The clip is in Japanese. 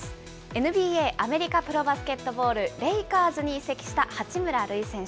ＮＢＡ・アメリカプロバスケットボール・レイカーズに移籍した八村塁選手。